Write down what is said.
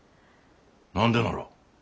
何でなら。